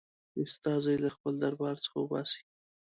استازی له خپل دربار څخه وباسي.